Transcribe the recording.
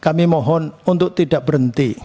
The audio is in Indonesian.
kami mohon untuk tidak berhenti